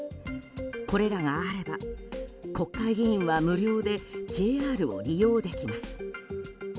これらがあれば国会議員は無料でＪＲを利用できます。